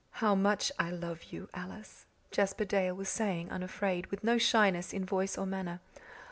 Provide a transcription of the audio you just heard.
"How much I love you, Alice," Jasper Dale was saying, unafraid, with no shyness in voice or manner.